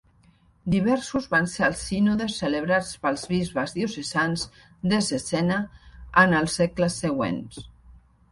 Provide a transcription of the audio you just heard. Diversos van ser els sínodes celebrats pels bisbes diocesans de Cesena en els segles següents.